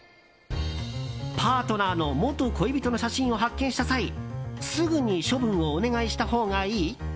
パートナーの元恋人の写真を発見した際すぐに処分をお願いしたほうがいい？